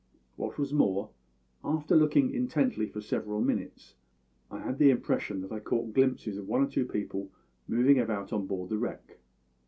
What was more, after looking intently for several minutes I had the impression that I caught glimpses of one or two people moving about aboard the wreck.